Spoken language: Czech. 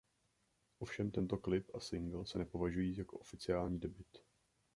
Ovšem tento klip a singl se nepovažují jako oficiální debut.